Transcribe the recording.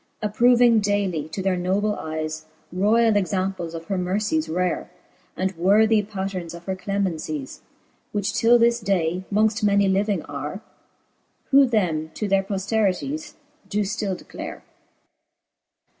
Approving dayly to their noble eyes Royall examples of her mercies rare, And worthie patterns of her clemencies \ Which till this day mongft many living are, Who them to their pofterities doe ftill declare.